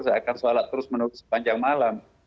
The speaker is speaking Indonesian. saya akan sholat terus menerus sepanjang malam